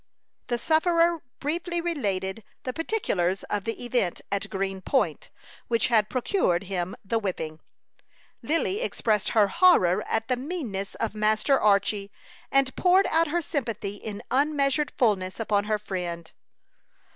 The sufferer briefly related the particulars of the event at Green Point, which had procured him the whipping. Lily expressed her horror at the meanness of Master Archy, and poured out her sympathy in unmeasured fulness upon her friend.